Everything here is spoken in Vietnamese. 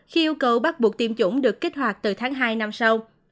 khi yêu cầu bắt buộc tiêm chủng được kích hoạt từ tháng hai năm sau